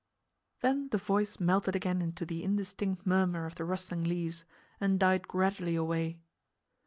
Then the voice melted again into the indistinct murmur of the rustling leaves and died gradually away.